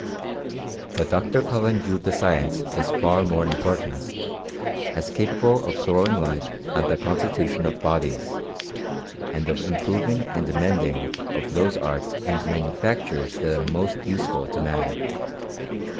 But Dr. Cullen viewed the science as far more important ; as capable of throwing light on the constitution of bodies, and of improving and amending of those arts and manufactures |that are most, usefal to man.